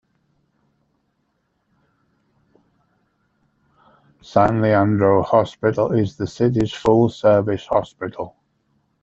San Leandro Hospital is the city's full service hospital.